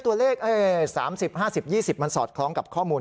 ตัวเลข๓๐๕๐๒๐๒๐มันสอดคล้องกับข้อมูล